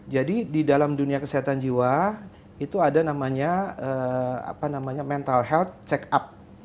jadi di dalam dunia kesehatan jiwa itu ada namanya mental health check up